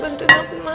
bantuin aku ma